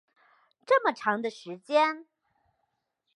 这么长的时间